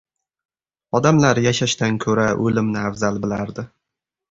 Odamlar yashashdan ko‘ra o‘limni afzal bilardi.